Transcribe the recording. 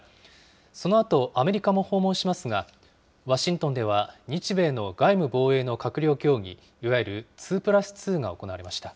そのあとアメリカも訪問しますが、ワシントンでは日米の外務・防衛の閣僚協議、いわゆる２プラス２が行われました。